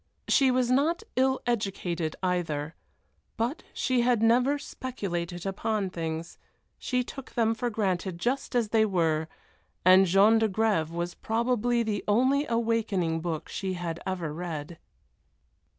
She was not ill educated either, but she had never speculated upon things, she took them for granted just as they were, and Jean d'Agrève was probably the only awakening book she had ever read.